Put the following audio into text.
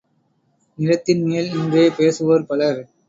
நிலத்தின் மேல் நின்றே பேசுவோர் பலர்.